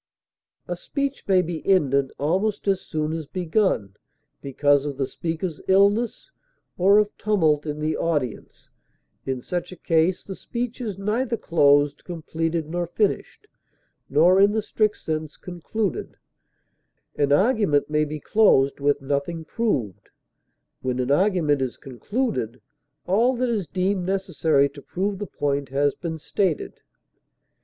A speech may be ended almost as soon as begun, because of the speaker's illness, or of tumult in the audience; in such a case, the speech is neither closed, completed, nor finished, nor, in the strict sense, concluded. An argument may be closed with nothing proved; when an argument is concluded all that is deemed necessary to prove the point has been stated.